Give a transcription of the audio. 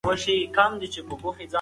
لمر د ټول نظام شمسي لپاره د رڼا منبع ده.